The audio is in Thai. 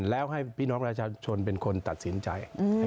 แล้วให้พี่น้องประชาชนเป็นคนตัดสินใจ